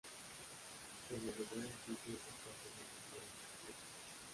En el lugar existen aparcamientos para bicicletas.